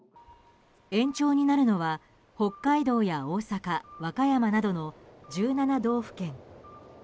延長になるのは北海道や大阪和歌山などの１７道府県。